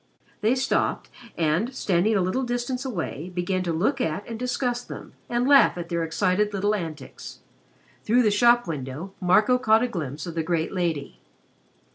They stopped and, standing a little distance away, began to look at and discuss them and laugh at their excited little antics. Through the shop window Marco caught a glimpse of the great lady.